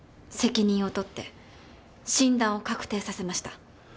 責任を取って診断を確定させました。